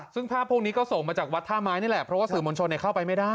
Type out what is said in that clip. ซึ่งภาพพวกนี้ก็ส่งมาจากวัดท่าไม้นี่แหละเพราะว่าสื่อมวลชนเข้าไปไม่ได้